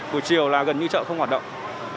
buổi chiều là gần như chợ không hoạt động